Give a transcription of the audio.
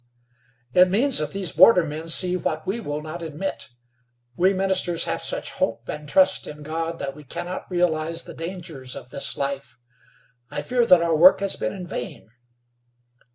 "It means that these border men see what we will not admit. We ministers have such hope and trust in God that we can not realize the dangers of this life. I fear that our work has been in vain."